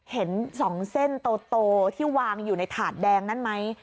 เห็น๒เส้นโตที่วางอยู่ในถาดแดงนั้นไหม